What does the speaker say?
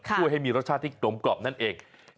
ช่วยให้มีรสชาติที่กลมกล่อมนั่นเอง